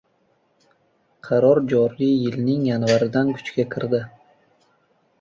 Qaror joriy yilning yanvaridan kuchga kirdi.